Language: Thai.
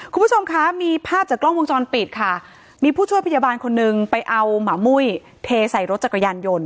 คุณผู้ชมคะมีภาพจากกล้องวงจรปิดค่ะมีผู้ช่วยพยาบาลคนนึงไปเอาหมามุ้ยเทใส่รถจักรยานยนต์